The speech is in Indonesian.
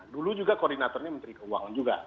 dulu juga koordinatornya menteri keuangan juga